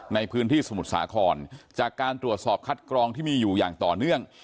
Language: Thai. ในพื้นที่สมุทรสาครจากการตรวจสอบคัดกรองที่มีอยู่อย่างต่อเนื่อง